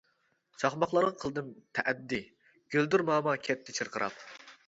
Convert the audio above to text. چاقماقلارغا قىلدىم تەئەددى، گۈلدۈرماما كەتتى چىرقىراپ.